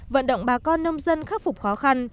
vận động bà con nông dân khắc phục khó khăn